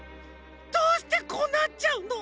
どうしてこうなっちゃうの！？